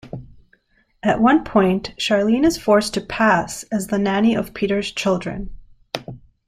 At one point, Charlene is forced to "pass" as the nanny of Peter's children.